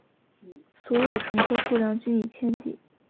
所有乘客数量均以千计。